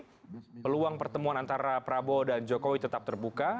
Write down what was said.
jadi peluang pertemuan antara prabowo dan jokowi tetap terbuka